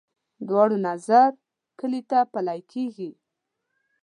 دواړو نظر کلي ته پلی کېږي.